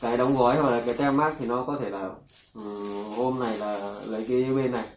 cái đóng gói hoặc là cái tem mát thì nó có thể là gom này là lấy bên này